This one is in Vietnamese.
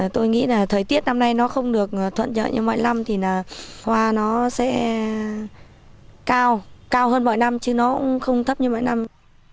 tôi nghĩ là thời tiết năm nay nó không được thuận chợ như mọi năm thì là hoa nó sẽ cao cao hơn mọi năm chứ nó cũng không thấp như mỗi năm